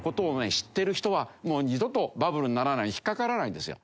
知ってる人はもう二度とバブルにならない引っかからないんですよ。